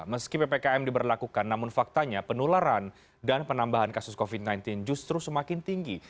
meski ppkm diberlakukan namun faktanya penularan dan penambahan kasus covid sembilan belas justru semakin tinggi